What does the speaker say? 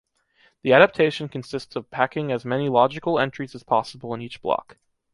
The adaptation consists of packing as many logical entries as possible in each block.